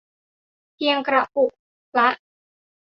เพียงกระปุกละ